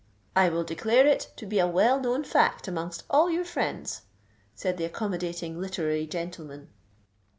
"I will declare it to be a well known fact amongst all your friends," said the accommodating literary gentleman.